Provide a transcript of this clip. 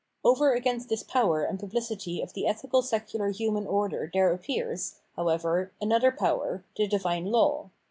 Over against this power and publicity of the ethical secular human order there appears, however, another power, the Divine Law.